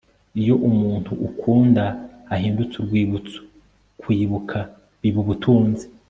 iyo umuntu ukunda ahindutse urwibutso, kwibuka biba ubutunzi